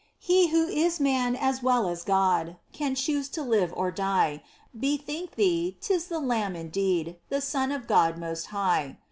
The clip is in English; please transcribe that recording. — He Who is man as well as God Can choose to live or die ; Bethink thee, 'tis the Lamb indeed, The Son of God most high